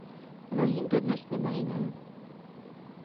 Mnohým dodnes mimo jiné.